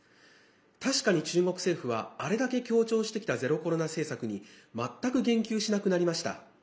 確かに中国政府はあれだけ強調してきたゼロコロナ政策に全く言及しなくなりました。